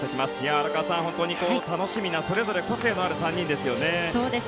荒川さん、楽しみなそれぞれ個性のある３人ですね。